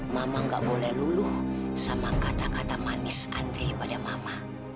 mama gak boleh luluh sama kata kata manis andri pada mama